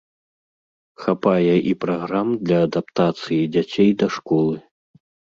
Хапае і праграм для адаптацыі дзяцей да школы.